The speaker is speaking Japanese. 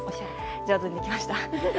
上手にできました。